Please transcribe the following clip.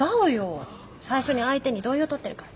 最初に相手に同意を取ってるから。